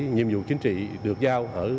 nhiệm vụ chính trị được giao